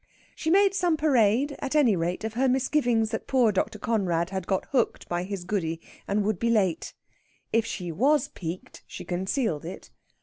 She made some parade, at any rate, of her misgivings that poor Dr. Conrad had got hooked by his Goody, and would be late. If she was piqued she concealed it.